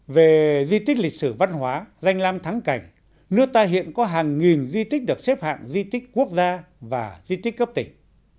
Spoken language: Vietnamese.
về di tích lịch sử văn hóa danh lam thắng cảnh nước ta hiện có hàng nghìn di tích được xếp hạng di tích quốc gia và di tích cấp tỉnh